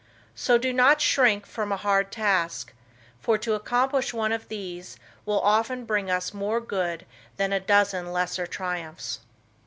So do not shrink from a hard task, for to accomplish one of these will often bring us more good than a dozen lesser triumphs.